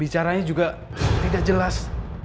bicaranya juga tidak jelas